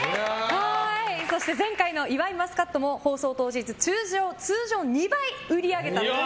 そして前回の岩井マスカットも放送当日、通常２倍売り上げたと。